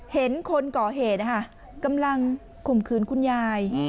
เห็นคนก่อเหตุกำลังข่มขืนคุณยาย